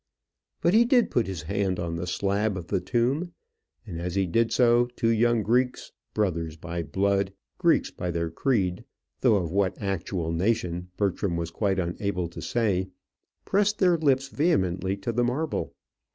But he did put his hand on the slab of the tomb; and as he did so, two young Greeks, brothers by blood Greeks by their creed, though of what actual nation Bertram was quite unable say pressed their lips vehemently to the marble.